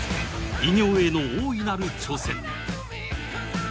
偉業への大いなる挑戦。